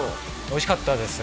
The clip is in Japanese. おいしかったです